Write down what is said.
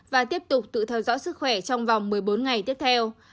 và tiếp tục tự theo dõi sức khỏe trong vòng một mươi bốn ngày tiếp theo